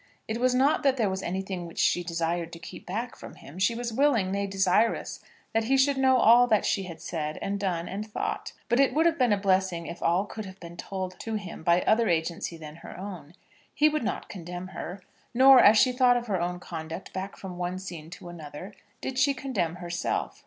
It was not that there was anything which she desired to keep back from him. She was willing, nay, desirous, that he should know all that she had said, and done, and thought; but it would have been a blessing if all could have been told to him by other agency than her own. He would not condemn her. Nor, as she thought of her own conduct back from one scene to another, did she condemn herself.